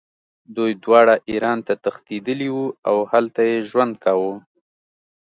دوی دواړه ایران ته تښتېدلي وو او هلته یې ژوند کاوه.